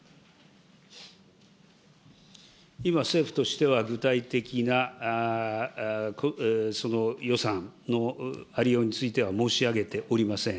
今、政府としては具体的な予算のあり様については申し上げておりません。